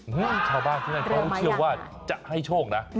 ชาวบ้านที่นั่นเขาเชื่อว่าจะให้โชคนะ